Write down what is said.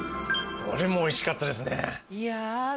どれもおいしかったですね。